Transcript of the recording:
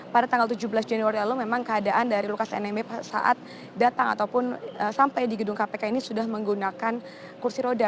pada tanggal tujuh belas januari lalu memang keadaan dari lukas nmb saat datang ataupun sampai di gedung kpk ini sudah menggunakan kursi roda